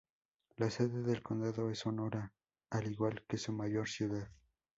La sede del condado es Sonora, al igual que su mayor ciudad.